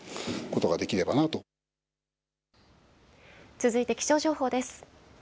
続いて気象情報です。